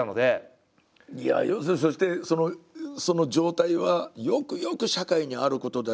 そしてその状態はよくよく社会にあることだし。